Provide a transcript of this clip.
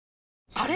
あれ？